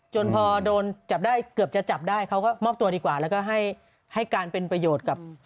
จนพอโดนจับได้เกือบจะจับได้เขาก็มอบตัวดีกว่าแล้วก็ให้การเป็นประโยชน์กับ